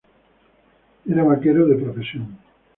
Era vaquero de profesión.